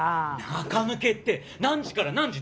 中抜けって何時から何時？